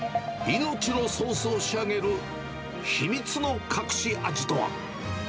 命のソースを仕上げる、秘密の隠し味とは。